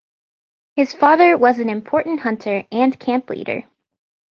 His father wan an important hunter and camp leader.